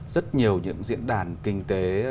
rất nhiều những diễn đàn kinh tế